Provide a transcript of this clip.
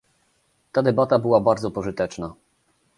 Ta debata była bardzo pożyteczna